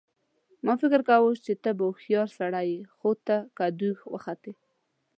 ما فکر کاوه چې ته به هوښیار سړی یې خو ته کدو وختې